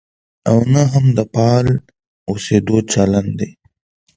او نه هم د فعال اوسېدو چلند دی.